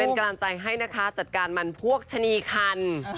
เป็นกำลังใจให้นะคะจัดการมันพวกชะนีคัน